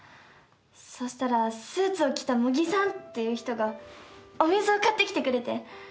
そしたらスーツを着たモギさんっていう人がお水を買ってきてくれて。